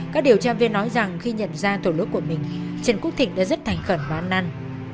các điều tra viên nói rằng khi nhận ra tổ lỗi của mình trần quốc thịnh đã rất thành khẩn và ăn năn